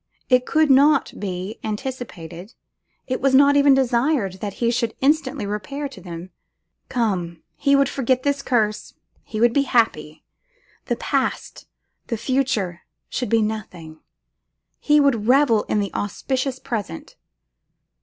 It could not be anticipated, it was not even desired, that he should instantly repair to them. Come, he would forget this curse, he would be happy. The past, the future, should be nothing; he would revel in the auspicious present.